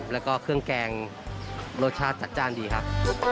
แล้วก็เครื่องแกงรสชาติจัดจ้านดีครับ